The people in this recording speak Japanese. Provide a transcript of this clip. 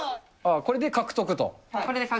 これで獲得で。